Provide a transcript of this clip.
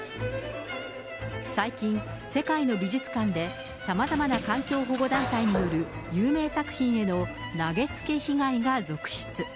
最近、世界の美術館でさまざまな環境保護団体による、有名作品への投げつけ被害が続出。